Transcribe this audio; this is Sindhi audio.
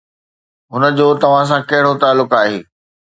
هن جو توهان سان ڪهڙو تعلق آهي؟